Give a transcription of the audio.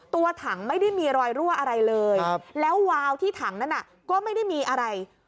ตัวถังไม่ได้มีรอยรั่วอะไรเลยแล้ววาวที่ถังนั้นก็ไม่ได้มีอะไร